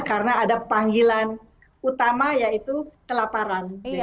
karena ada panggilan utama yaitu kelaparan